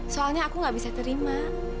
soalnya aku gak bisa terima